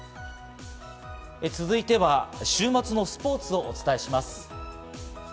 続いては、週末のスポーツをお伝えします。